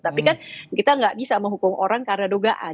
tapi kan kita nggak bisa menghukum orang karena dugaan